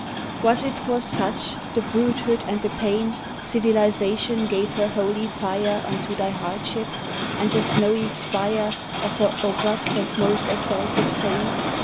> II Was it for such, the brutehood and the pain, Civilization gave her holy fire Unto thy wardship, and the snowy spire Of her august and most exalted fane?